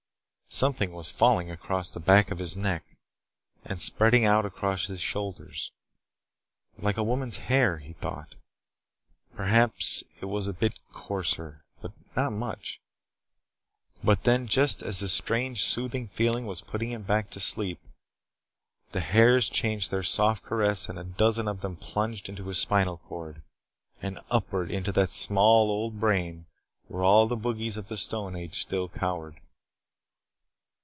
Something was falling across the back of his neck and spreading out across his shoulders. Like a woman's hair, he thought. Perhaps it was a bit coarser. But not much. But then, just as the strange soothing feeling was putting him back to sleep, the hairs changed their soft caress and a dozen of them plunged into his spinal cord and upward into that small old brain where all the bogies of the stone age still cowered.